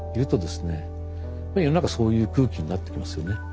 世の中そういう空気になってきますよね。